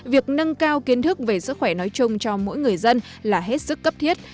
việc nâng cao kiến thức về sức khỏe nói chung cho mỗi người dân là hết sức cấp thiết